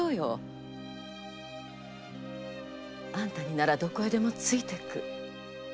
あんたにならどこへでもついていく。